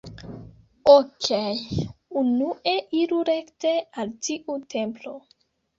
Okej. Unue, iru rekte al tiu templo.